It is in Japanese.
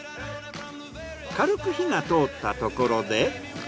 軽く火が通ったところで。